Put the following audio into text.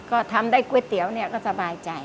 ก็ทำได้ก๋วยเตี๋ยวเนี่ยก็สบายใจ